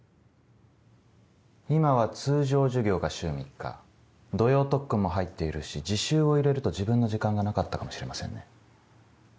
今は通常授業が週３日土曜特訓も入っているし自習を入れると自分の時間がなかったかもしれませんね。